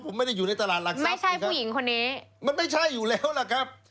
ผมไม่ได้อยู่ในตลาดหลักนี้ไม่ใช่ผู้หญิงคนนี้มันไม่ใช่อยู่แล้วล่ะครับ